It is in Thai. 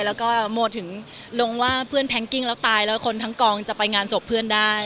แล้วก็โมถึงลงว่าเพื่อนแพงกิ้งแล้วตายแล้วคนทั้งกองจะไปงานศพเพื่อนได้